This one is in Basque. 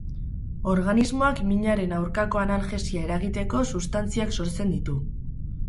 Organismoak minaren aurkako analgesia eragiteko substantziak sortzen ditu.